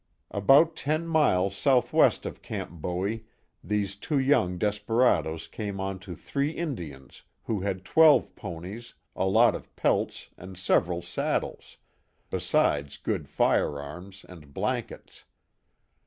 About ten miles southwest of Camp Bowie these two young desperados came onto three Indians, who had twelve ponies, a lot of pelts and several saddles, besides good fire arms, and blankets.